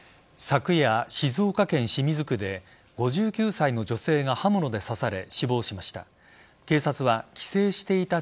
昨夜、静岡県清水区で５９歳の女性が刃物で刺され死亡しました。